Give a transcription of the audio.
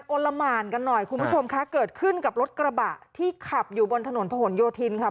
ละหมานกันหน่อยคุณผู้ชมคะเกิดขึ้นกับรถกระบะที่ขับอยู่บนถนนผนโยธินค่ะ